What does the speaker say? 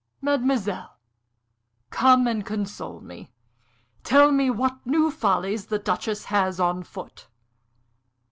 Mademoiselle, come and console me. Tell me what new follies the Duchess has on foot."